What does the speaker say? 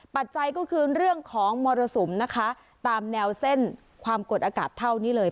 ปัจจัยก็คือเรื่องของมรสุมนะคะตามแนวเส้นความกดอากาศเท่านี้เลย